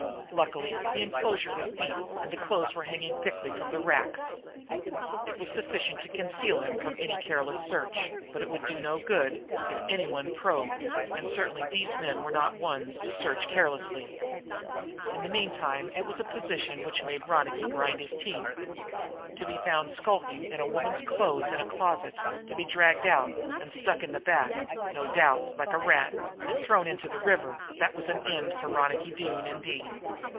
Luckily the enclosure was deep, and the clothes were hanging thickly from the racks. It was sufficient to conceal him from any careless searcher, but it would do no good if any one probed; and certainly these men were not the ones to search carelessly. In the meantime it was a position which made Ronicky grind his teeth. To be found skulking among woman's clothes in a closet to be dragged out and stuck in the back, no doubt, like a rat, and thrown into the river, that was an end for Ronicky Doone indeed!